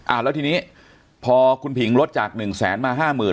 แล้วทีนี้พอคุณผิงลดจากหนึ่งแสนมาห้าหมื่น